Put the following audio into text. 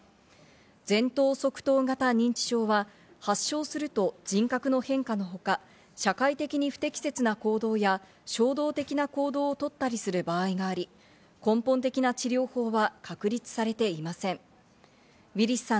前頭側頭型認知症は発症すると人格の変化のほか、社会的に不適切な行動や、衝動的な行動をとったりする場合があり、根本的な治療法は確立されていません。